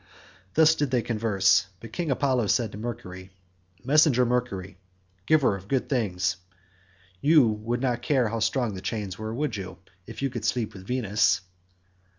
Thus did they converse, but King Apollo said to Mercury, "Messenger Mercury, giver of good things, you would not care how strong the chains were, would you, if you could sleep with Venus?"